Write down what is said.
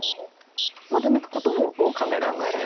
まだ抜くことも。も考えられます。